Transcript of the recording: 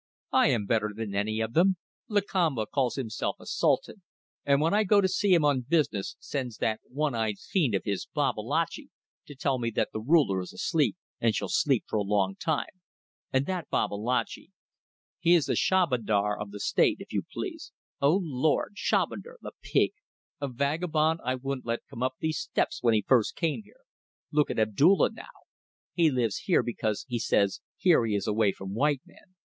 I am better than any of them. Lakamba calls himself a Sultan, and when I go to see him on business sends that one eyed fiend of his Babalatchi to tell me that the ruler is asleep; and shall sleep for a long time. And that Babalatchi! He is the Shahbandar of the State if you please. Oh Lord! Shahbandar! The pig! A vagabond I wouldn't let come up these steps when he first came here. ... Look at Abdulla now. He lives here because he says here he is away from white men.